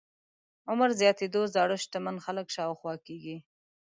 عمر زياتېدو زاړه شتمن خلک شاوخوا کېږي.